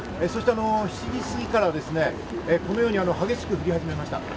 ７時過ぎからはこのように激しく降り始めました。